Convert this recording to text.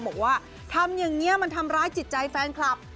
บอกว่าทำอย่างนี้มันทำร้ายจิตใจแฟนคลับ